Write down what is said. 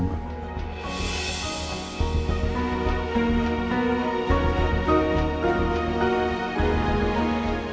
aku tidak bisa